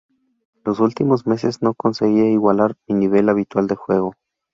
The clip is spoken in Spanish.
Los últimos meses no conseguía igualar mi nivel habitual de juego.